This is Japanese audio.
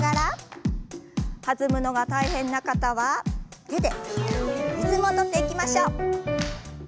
弾むのが大変な方は手でリズムを取っていきましょう。